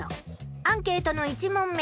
アンケートの１問目。